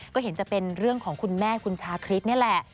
ก็เห็นจะเป็นเรื่องของคุณแม่คุณชาคริสนี่แหละ